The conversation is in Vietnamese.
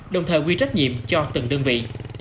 đồng thời quy trách nhiệm cho từng đơn vị